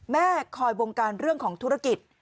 แม่คอยบงการเรื่องของธุรกิจ